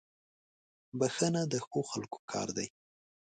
• بښنه د ښو خلکو کار دی.